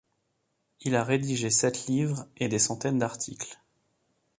Il a rédigé sept livres et des centaines d'articles.